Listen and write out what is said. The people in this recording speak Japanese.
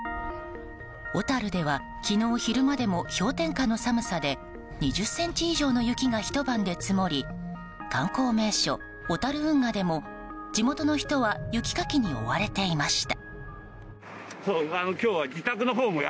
小樽では昨日昼間でも氷点下の寒さで２０ｃｍ以上の雪がひと晩で積もり観光名所・小樽運河でも地元の人は雪かきに追われていました。